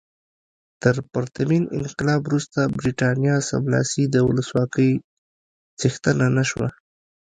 تر پرتمین انقلاب وروسته برېټانیا سملاسي د ولسواکۍ څښتنه نه شوه.